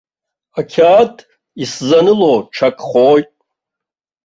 Ақьаад исзаныло ҽакхоит.